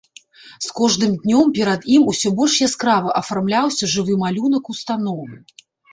З кожным днём перад ім усё больш яскрава афармляўся жывы малюнак установы.